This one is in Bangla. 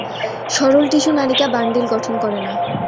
সরল টিস্যু নালিকা বান্ডিল গঠন করে না।